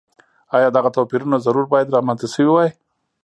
ایا دغه توپیرونه ضرور باید رامنځته شوي وای.